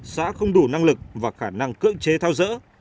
xã không đủ năng lực và khả năng cưỡng chế thao dỡ